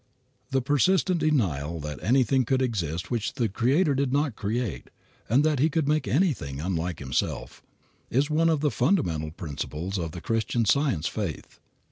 The persistent denial that anything could exist which the Creator did not create, and that He could make anything unlike Himself, is one of the fundamental principles of the Christian Science faith.